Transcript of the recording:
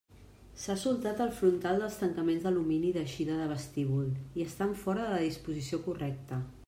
S'ha soltat el frontal dels tancaments d'alumini d'eixida de vestíbul, i estan fora de la disposició correcta.